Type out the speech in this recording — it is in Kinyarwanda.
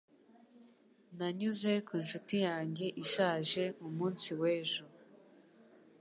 Nanyuze ku nshuti yanjye ishaje mu munsi w'ejo